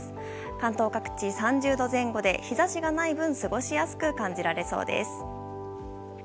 関東各地３０度前後で日差しがない分過ごしやすく感じられそうです。